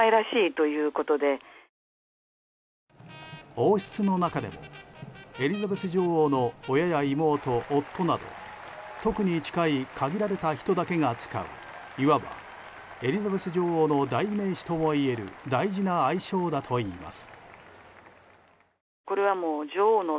王室の中でもエリザベス女王の親や妹、夫など特に近い限られた人だけが使ういわば、エリザベス女王の代名詞ともいえる大事な愛称だといいます。